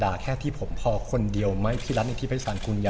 ด่าแค่ที่ผมพอคนเดียวไหมที่รัฐนี้ที่ประชาญขุนฌาติ